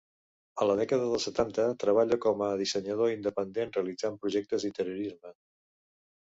A la dècada dels setanta treballa com a dissenyador independent realitzant projectes d'interiorisme.